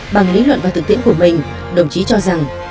bằng lý luận và thực tiễn của mình đồng chí cho rằng